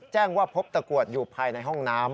แจ้งว่าพบตะกรวดอยู่ภายในห้องน้ำ